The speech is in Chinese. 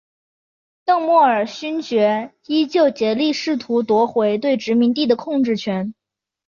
邓莫尔勋爵依旧竭力试图夺回对殖民地的控制权。